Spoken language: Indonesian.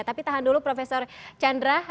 tapi tahan dulu prof chandra